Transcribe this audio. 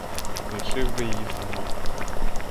Лишив би її самою.